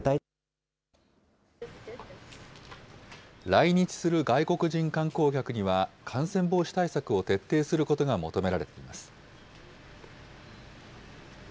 来日する外国人観光客には、感染防止対策を徹底することが求められています。